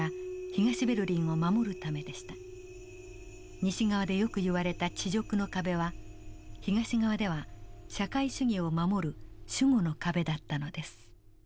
西側でよくいわれた恥辱の壁は東側では社会主義を守る守護の壁だったのです。